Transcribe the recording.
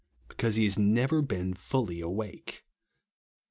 43 because he has never been fully awake.